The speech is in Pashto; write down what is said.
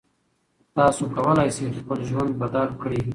تاسو کولی شئ خپل ژوند بدل کړئ.